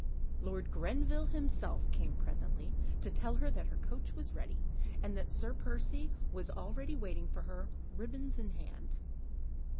Lord Grenville himself came presently to tell her that her coach was ready, and that Sir Percy was already waiting for her—ribbons in hand.